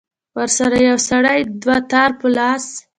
ورسره يو سړى دوتار په لاس.